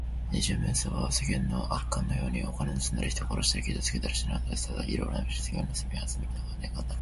二十面相は、世間の悪漢のように、お金をぬすんだり、人を殺したり、傷つけたりはしないのです。ただいろいろな美術品をぬすみあつめるのが念願なのです。